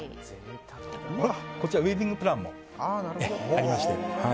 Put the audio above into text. こちら、ウェディングプランもありまして。